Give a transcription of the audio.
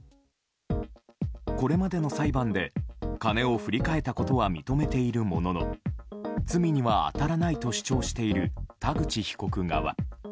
これまでの裁判で金を振り替えたことは認めているものの罪には当たらないと主張している田口被告側。